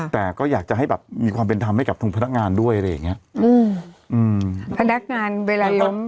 แต่ก็อยากจะให้แบบมีความเป็นธรรมให้กับทางพนักงานด้วยอะไรอย่างเงี้ยอืมอืมพนักงานเวลาล้ม